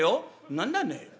何だね。